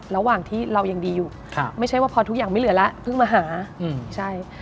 ระหว่างที่เรายังดีอยู่ไม่ใช่ว่าพอทุกอย่างไม่เหลือแล้วเพิ่งมาหาใช่